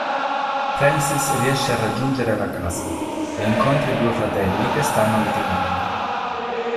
Francis riesce a raggiungere la casa, e incontra i due fratelli che stanno litigando.